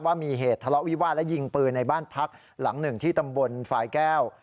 ว่ามีเหตุทะเลาะวิวาสและยิงปืนในบ้านพักหลังหนึ่งที่ตำบลฝ่ายแก้ว